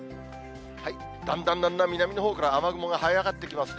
だんだんだんだん南のほうから雨雲がはい上がってきますね。